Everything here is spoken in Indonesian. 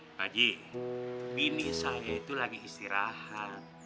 pak haji bini saya itu lagi istirahat